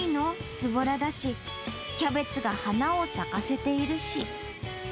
ずぼらだし、キャベツが花を咲かせているし。